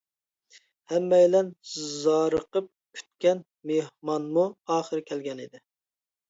ھەممەيلەن زارىقىپ كۈتكەن مېھمانمۇ ئاخىرى كەلگەنىدى.